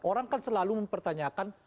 orang kan selalu mempertanyakan